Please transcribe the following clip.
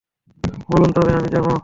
বলুন, তবে আমি যাবো।